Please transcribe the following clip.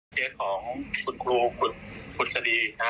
ของครูทุกคุณสดีค่ะ